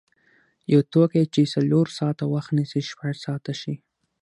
یو توکی چې څلور ساعته وخت نیسي شپږ ساعته شي.